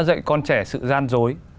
dạy con trẻ sự gian dối